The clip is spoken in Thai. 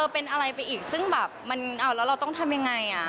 เป็นอะไรไปอีกแล้วเราต้องทำอย่างไร